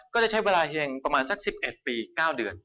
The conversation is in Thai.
ก็จะใช้เวลาเฮงประมาณสัก๑๑ปี๙เดือน